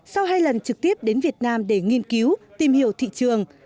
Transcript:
sau hai lần trực tiếp đến việt nam để nghiên cứu tìm hiểu thị trường